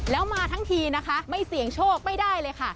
แล้วมาทั้งทีนะคะไม่เสี่ยงโชคไม่ได้เลยค่ะ